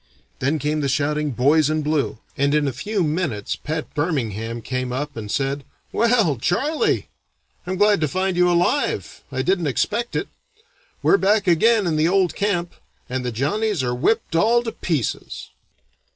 Then came the shouting 'boys in blue,' and in a few minutes Pat Birmingham came up and said: 'Well, Charley, I'm glad to find you alive. I didn't expect it. We're back again in the old camp, and the Johnnies are whipped all to pieces.'"